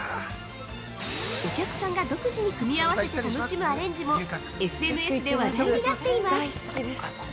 お客さんが独自に組み合わせて楽しむアレンジも、ＳＮＳで話題になっています。